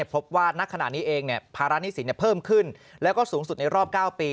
พบว่าณขณะนี้เองภาระหนี้สินเพิ่มขึ้นแล้วก็สูงสุดในรอบ๙ปี